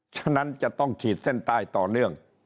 ฉะนั้นจะต้องขีดเส้นใต้ต่อเนื่อง